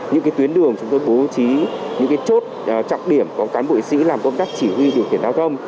những tuyến đường chúng tôi bố trí những chốt trọng điểm có cán bộ sĩ làm công tác chỉ huy điều khiển giao thông